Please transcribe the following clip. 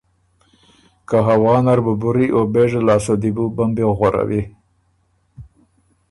که هوا نر بُو بُري او بېژه لاسته دی بو بمبی غؤرَوی